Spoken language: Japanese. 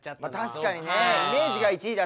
確かにね。